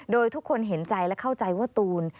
โดยทุกคนเห็นใจและเข้าใจว่าตูน